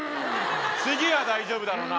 次は大丈夫だろうな？